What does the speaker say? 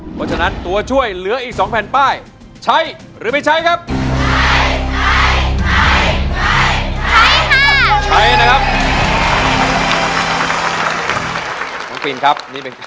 เพราะฉะนั้นตัวช่วยเหลืออีก๒แผ่นป้ายใช้หรือไม่ใช้ครับ